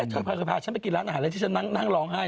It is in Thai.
เธอพาฉันไปกินร้านอาหารแล้วที่ฉันนั่งร้องไห้